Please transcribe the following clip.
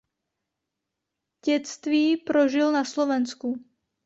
Dětství prožil na Slovensku.